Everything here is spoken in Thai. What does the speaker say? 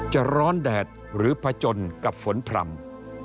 จะร้อนแดดหรือผจญกับฝนพร่ำ